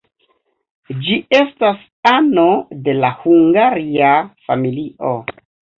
Ĝi estas ano de la Hungaria familio.